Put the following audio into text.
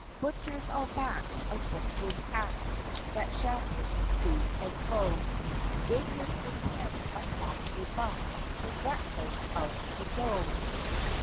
Butchers on backs of butchers' hacks, That shambled to and fro! Bakers intent upon a buck, Neglectful of the dough!